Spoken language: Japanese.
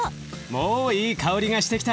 もういい香りがしてきた。